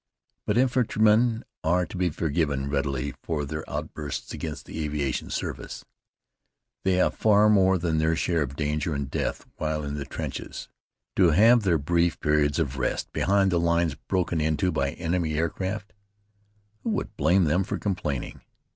But infantrymen are to be forgiven readily for their outbursts against the aviation service. They have far more than their share of danger and death while in the trenches. To have their brief periods of rest behind the lines broken into by enemy aircraft who would blame them for complaining?